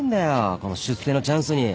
この出世のチャンスに。